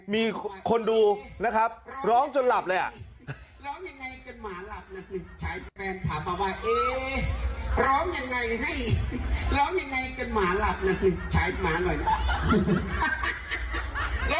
มีคนดูนะครับร้องจนหลับเลยอ่ะ